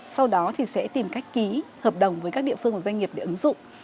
sau đó thì sẽ tìm cách ký hợp đồng với các địa phương và doanh nghiệp để ứng dụng